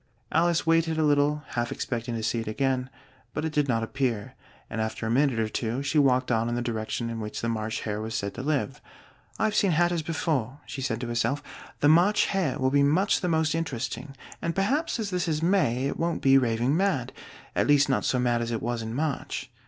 Alice waited a little, half expecting to see it again, but it did not appear, and after a minute or two she walked on in the direction in which the March Hare was said to live. "I've seen hatters before," she said to herself: "the March Hare will be much the most interesting, and perhaps as this is May it won't be raving mad at least not so mad as it was in March."